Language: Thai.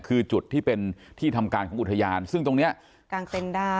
คือจุดที่เป็นที่ทำการของอุทยานซึ่งตรงเนี้ยกลางเต้นได้